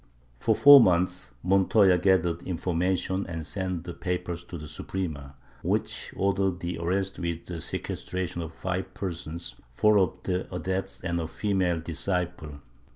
For four months Montoya gathered information and sent the papers to the Suprema, which ordered the arrest with sequestration of five persons, four of the adepts and a female disciple.